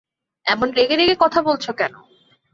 এমন রেগে-রেগে কথা বলছ কেন?